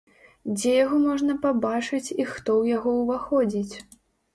Дзе яго можна пабачыць і хто ў яго ўваходзіць?